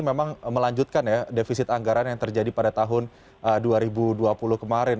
memang melanjutkan ya defisit anggaran yang terjadi pada tahun dua ribu dua puluh kemarin